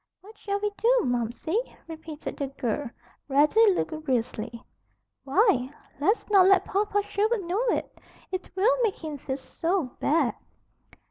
"What shall we do, Momsey?" repeated the girl, rather lugubriously. "Why, let's not let Papa Sherwood know about it, it will make him feel so bad."